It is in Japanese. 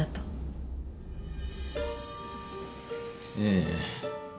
ええ。